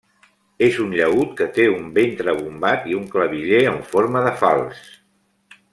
És un llaüt que té un ventre bombat i un claviller en forma de falç.